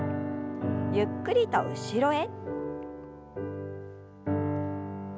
ゆっくりと後ろへ。